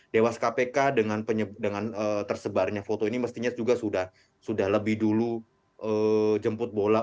dewas kpk dengan tersebarnya foto ini mestinya juga sudah lebih dulu jemput bola